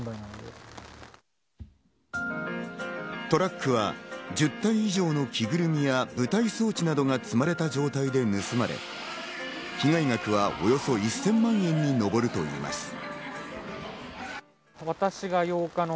トラックは１０体以上の着ぐるみや舞台装置などが積まれた状態で盗まれ、被害額はおよそ１０００万円に上るといいます。